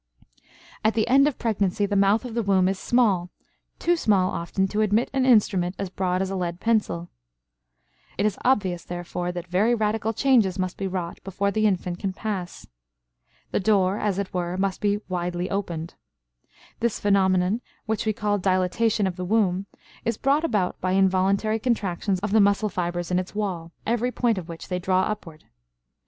At the end of pregnancy the mouth of the womb is small, too small, often, to admit an instrument as broad as a lead pencil. It is obvious, therefore, that very radical changes must be wrought before the infant can pass. The door, as it were, must be widely opened. This phenomenon, which we call dilatation of the womb, is brought about by involuntary contractions of the muscle fibers in its wall, every point of which they draw upward.